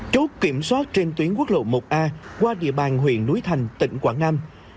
chốt kiểm soát trên tuyến quốc lộ một a qua địa bàn huyện núi thành tỉnh quảng nam